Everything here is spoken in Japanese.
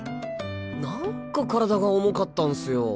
何か体が重かったんスよ。